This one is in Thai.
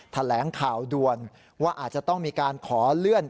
แถลงข่าวด่วนว่าอาจจะต้องมีการขอเลื่อน